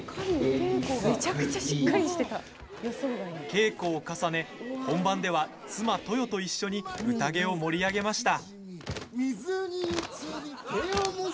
稽古を重ね、本番では妻・登与と一緒にうたげを盛り上げました。